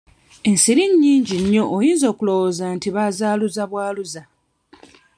Ensiri nnyingi nnyo oyinza n'okulooza nti bazaaluza bwaluza.